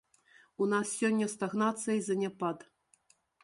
У нас сёння стагнацыя і заняпад.